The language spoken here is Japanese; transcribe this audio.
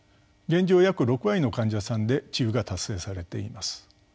現状約６割の患者さんで治癒が達成されています。